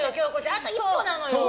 あと一歩なのよ。